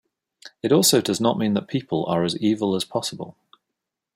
It also does not mean that people are as evil as possible.